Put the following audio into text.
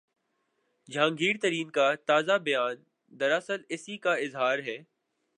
جہانگیر ترین کا تازہ بیان دراصل اسی کا اظہار ہے۔